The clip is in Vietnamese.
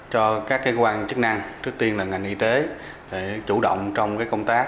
cho các cơ quan chức năng trước tiên là ngành y tế để chủ động trong công tác